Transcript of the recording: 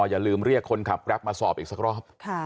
อย่าลืมเรียกคนขับแกรปมาสอบอีกสักรอบ